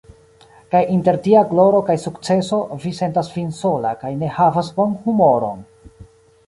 Kaj inter tia gloro kaj sukceso Vi sentas Vin sola kaj ne havas bonhumoron!